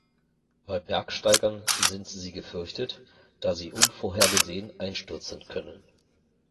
Bei Bergsteigern sind sie gefürchtet, da sie unvorhergesehen einstürzen können.